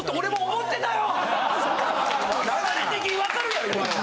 流れ的に分かるやろ今のは。